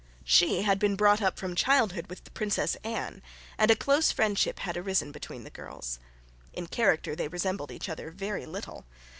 She had been brought up from childhood with the Princess Anne; and a close friendship had arisen between the girls. In character they resembled each other very little.